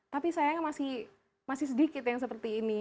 tapi sayang masih sedikit yang seperti ini